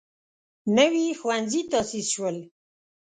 نوي ښوونځي تاسیس شول.